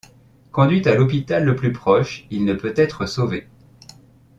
Conduit à l'hôpital le plus proche, il ne peut être sauvé.